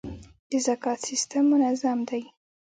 د زکات سیستم منظم دی؟